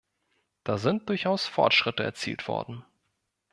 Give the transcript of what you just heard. Da sind durchaus Fortschritte erzielt worden.